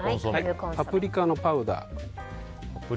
パプリカのパウダー